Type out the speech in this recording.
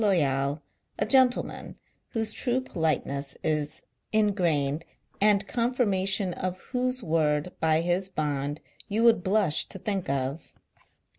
Loyal a gentleman whose true politeness is in grain, and confirmation, of whose word by his bond you would blush to think of.